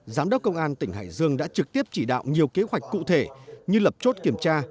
giám đốc công an tỉnh hải dương đã trực tiếp chỉ đạo nhiều kế hoạch cụ thể như lập chốt kiểm tra